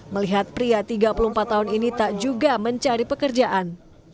melihat pria tiga puluh empat tahun ini tak juga mencari pekerjaan